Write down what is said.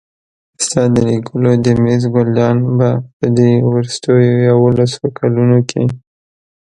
ستا د لیکلو د مېز ګلدان به په دې وروستیو یوولسو کلونو کې.